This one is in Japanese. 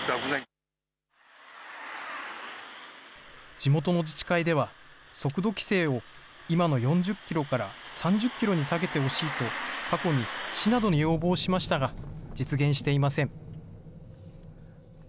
地元の自治会では、速度規制を今の４０キロから３０キロに下げてほしいと、過去に市などに要望しましたが、実現していません。